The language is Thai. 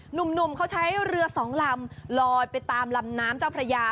หนุ่มเขาใช้เรือสองลำลอยไปตามลำน้ำเจ้าพระยา